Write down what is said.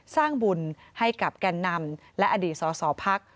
สร้างบุญให้กับแก่นนำและอดีตสอสอพัก